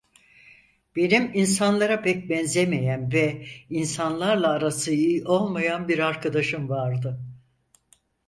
Benim insanlara pek benzemeyen ve insanlarla arası iyi olmayan bir arkadaşım vardı…